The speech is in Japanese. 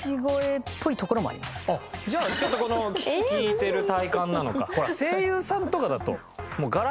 あっじゃあちょっとこの聞いてる体感なのか。